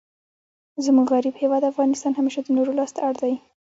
زموږ غریب هیواد افغانستان همېشه د نورو لاس ته اړ دئ.